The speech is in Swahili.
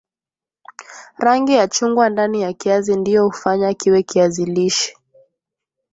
rangi ya chungwa ndani ya kiazi ndio hufanya kiwe kiazi lishe